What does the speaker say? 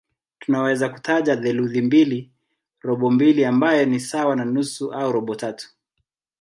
Tunaweza kutaja theluthi mbili, robo mbili ambayo ni sawa na nusu au robo tatu.